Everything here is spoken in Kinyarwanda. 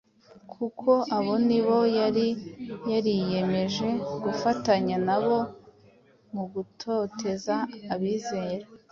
kuko abo ni bo yari yariyemeje gufatanya nabo mu gutoteza abizera.